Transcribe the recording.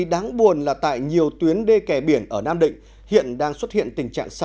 đang nói là tất cả các tuyến đê kè khi được thiết kế